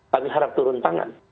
kami harap turun tangan